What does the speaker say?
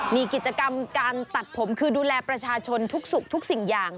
มีกิจกรรมการตัดผมคือดูแลประชาชนทุกสุขทุกสิ่งอย่าง